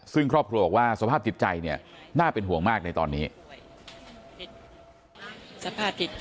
ซึ่งครอบครัวบอกว่าสภาพจิตใจเนี่ยน่าเป็นห่วงมากในตอนนี้